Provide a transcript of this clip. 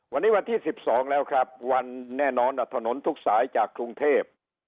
วันนี้วันที่๑๒แล้วครับวันแน่นอนถนนทุกสายจากกรุงเทพ